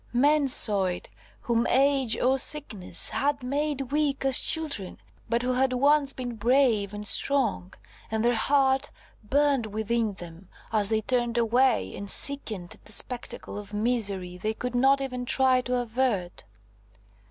Men saw it whom age or sickness had made weak as children, but who had once been brave and strong, and their heart burned within them as they turned away and sickened at the spectacle of misery they could not even try to avert.